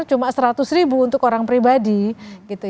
cuma seratus untuk orang pribadi